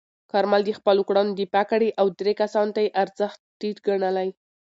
کارمل د خپلو کړنو دفاع کړې او درې کسانو ته یې ارزښت ټیټ ګڼلی.